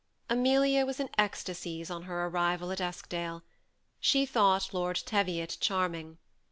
Amelia was in ecstasies on her arrival at Eskdale. She thought Lord Teviot charming.